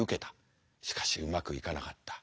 しかしうまくいかなかった。